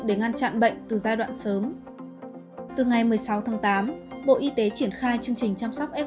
để ngăn chặn bệnh từ giai đoạn sớm từ ngày một mươi sáu tháng tám bộ y tế triển khai chương trình chăm sóc f